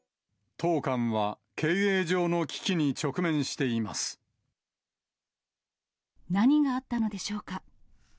当館は経営上の危機に直面し何があったのでしょうか。